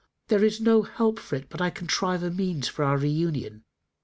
There is no help for it but I contrive a means for our reunion."